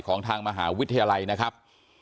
ของทางมหาวิทยาลัยนะครับ